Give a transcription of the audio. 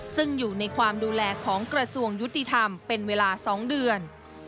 ซึ่งอยู่ในความดูแลของกระทรวงยุติธรรมเป็นเวลา๒เดือน